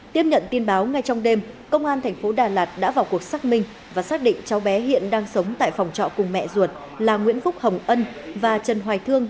tiếp nhận tin báo ngay trong đêm công an thành phố đà lạt đã vào cuộc xác minh và xác định cháu bé hiện đang sống tại phòng trọ cùng mẹ ruột là nguyễn phúc hồng ân và trần hoài thương